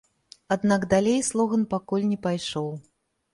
Аднак далей слоган пакуль не пайшоў.